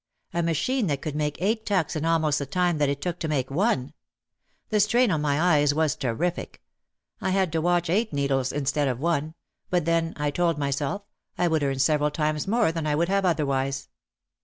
A machine that could make eight tucks in almost the time that it took to make one ! The strain on my eyes was terrific. I had to watch eight needles instead of one, but then, I told myself, I would earn several times more than I would have otherwise!